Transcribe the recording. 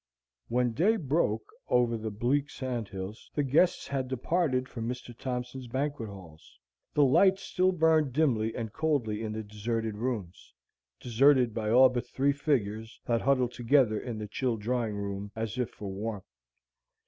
When day broke over the bleak sand hills, the guests had departed from Mr. Thompson's banquet halls. The lights still burned dimly and coldly in the deserted rooms, deserted by all but three figures, that huddled together in the chill drawing room, as if for warmth.